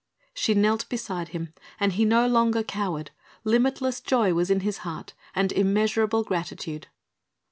She knelt beside him and he no longer cowered, limitless joy was in his heart and immeasurable gratitude.